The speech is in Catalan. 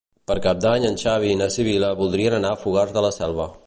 Per Cap d'Any en Xavi i na Sibil·la voldrien anar a Fogars de la Selva.